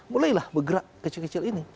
mulailah bergerak kecil kecil ini